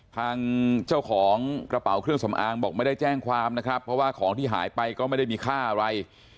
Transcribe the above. ทางเจ้าของกระเป๋าเครื่องสำอางบอกไม่ได้แจ้งความนะครับเพราะว่าของที่หายไปก็ไม่ได้มีค่าอะไร